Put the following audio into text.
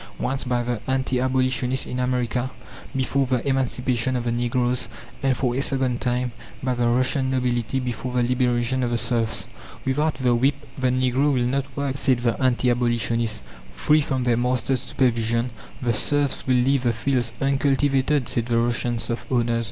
Once, by the anti abolitionists in America before the emancipation of the Negroes, and, for a second time, by the Russian nobility before the liberation of the serfs? "Without the whip the Negro will not work," said the anti abolitionist. "Free from their master's supervision the serfs will leave the fields uncultivated," said the Russian serf owners.